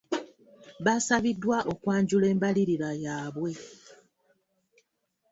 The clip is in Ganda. Baasabiddwa okwanjula embalirira yaabwe.